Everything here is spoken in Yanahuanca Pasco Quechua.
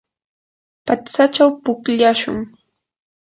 patsachaw pukllashun.